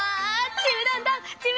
ちむどんどん！